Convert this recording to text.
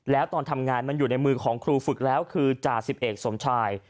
แล้วตอนทำงานมันอยู่ในมือของครูฝึกแล้วคือจ่าสิบเอกสมชาย